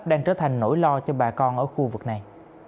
đang trở thành nỗi lo cho bà con ở khu vực này